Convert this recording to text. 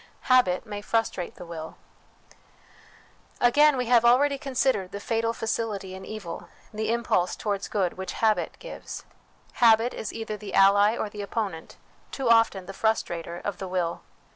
Habit may Frustrate the Will. Again, we have already considered the fatal facility in evil, the impulse towards good, which habit gives. Habit is either the ally or the opponent, too often the frustrator, of the will.